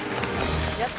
やった！